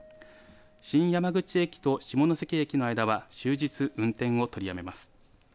新山口駅と下関駅の間は終日運転を取りやめます。